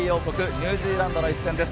ニュージーランドの一戦です。